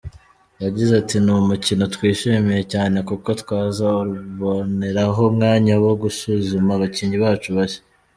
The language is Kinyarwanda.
Yagize ati “Ni umukino twishimiye cyane kuko tuzaboneraho umwanya wo gusuzuma abakinnyi bacu bashya.